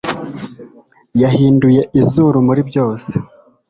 Yahinduye izuru muri byose.